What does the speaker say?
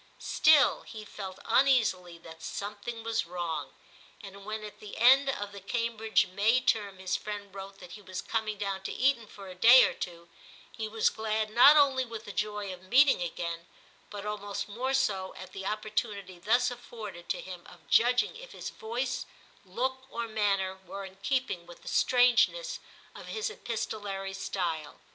Still he felt uneasily that something was wrong ; and when at the end of the Cambridge May term his friend wrote that he was coming down to Eton for a day or two, he was glad not only with the joy of meeting again, but almost more so at the opportunity thus afforded to him of judging if his voice, look, or manner were in keeping with the strangeness of his epistolary style.